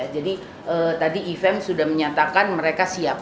jadi tadi ifem sudah menyatakan mereka siap